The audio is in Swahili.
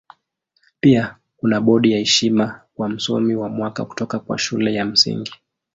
Pia kuna bodi ya heshima kwa Msomi wa Mwaka kutoka kwa Shule ya Msingi.